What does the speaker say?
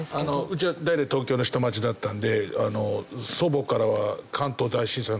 うちは代々東京の下町だったんで祖母からは関東大震災の話はすごく聞いて。